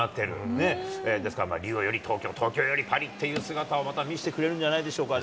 ねっ、ですからリオより東京、東京よりパリっていう姿を、また見してくれるんじゃないでしょうかね。